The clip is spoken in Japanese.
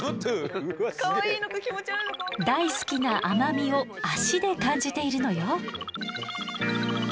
大好きな甘みを足で感じているのよ。